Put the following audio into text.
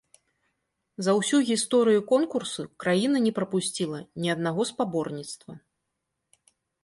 За ўсю гісторыю конкурсу краіна не прапусціла ні аднаго спаборніцтва.